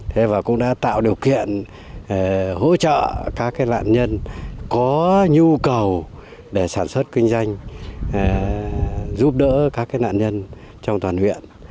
thế và cũng đã tạo điều kiện hỗ trợ các nạn nhân có nhu cầu để sản xuất kinh doanh giúp đỡ các nạn nhân trong toàn huyện